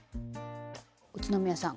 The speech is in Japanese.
宇都宮さん